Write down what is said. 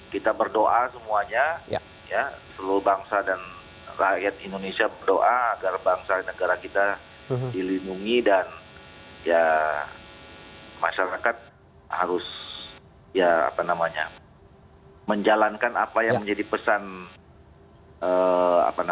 kita berdoa semuanya seluruh bangsa dan rakyat indonesia berdoa agar bangsa negara kita dilindungi dan masyarakat harus menjalankan apa yang menjadi pesan